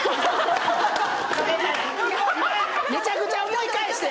むちゃくちゃ思い返して！